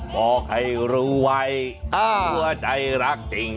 บอกให้รู้ไว้หัวใจรักจริง